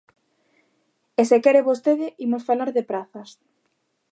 E se quere vostede, imos falar de prazas.